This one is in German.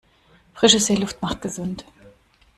Frische Seeluft macht gesund.